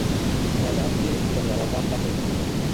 De maaga á ti ɗee, Tɛmga raw baa blam ɓɛ.